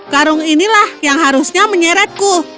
karung inilah yang harusnya menyeretku